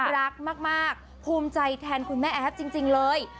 รักมากภูมิใจแทนคุณแม่แอฟจริงเลย